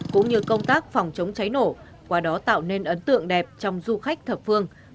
cũng như công tác phòng chống cháy nổ qua đó tạo nên ấn tượng đẹp trong du khách thập phương